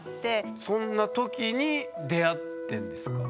そんなときに出会ってんですか？